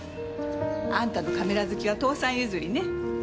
あんたのカメラ好きは父さん譲りね。